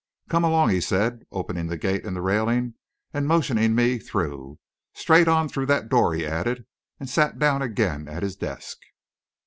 "Come along," he said, opening the gate in the railing and motioning me through. "Straight on through that door," he added, and sat down again at his desk.